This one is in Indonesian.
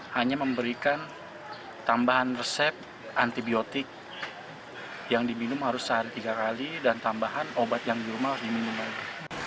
hanya memberikan tambahan resep antibiotik yang diminum harus sehari tiga kali dan tambahan obat yang di rumah harus diminum lagi